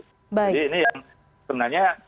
jadi ini yang sebenarnya